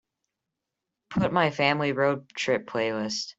put my Family Road Trip playlist